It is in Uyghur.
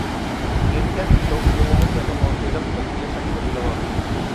شىركەت توك يولىنى تېخىمۇ ئۆلۈك قىلىپ ياساشنى بىلىۋالدى.